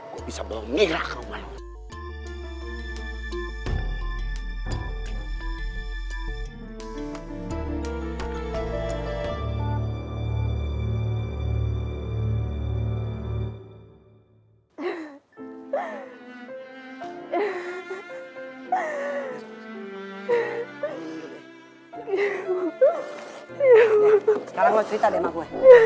gue bisa bawa mira ke rumah lu